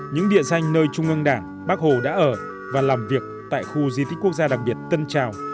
những địa danh nơi trung ương đảng bác hồ đã ở và làm việc tại khu di tích quốc gia đặc biệt tân trào